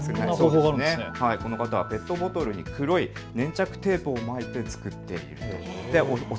この方はペットボトルに黒い粘着テープを巻いて作っているということです。